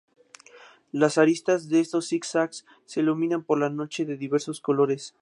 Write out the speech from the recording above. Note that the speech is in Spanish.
Las aristas de estos zig-zags se iluminan por la noche de diversos colores.